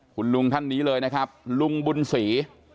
คุณลุงท่านนี้เลยนะครับลุงบุญศรี